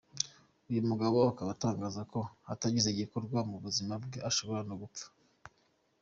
Uyu mugabo akaba atangaza ko hatagize igikorwa ku buzima bwe ashobora no gupfa.